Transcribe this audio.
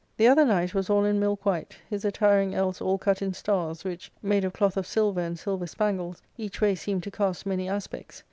The other knight was all in milk white, his attiring else all cut in stars, which, made of cloth of silver and silver spangles, each way seemed to cast many aspects.